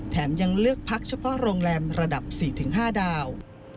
ยังเลือกพักเฉพาะโรงแรมระดับ๔๕ดาว